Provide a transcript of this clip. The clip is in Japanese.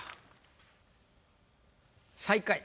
最下位。